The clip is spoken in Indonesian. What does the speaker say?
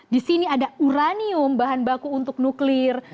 di sini ada uranium bahan baku untuk nuklir